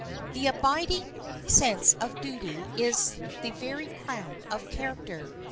The abiding sense of duty is the very crown of character.